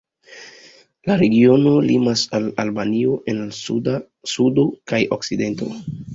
La regiono limas al Albanio en la sudo kaj okcidento.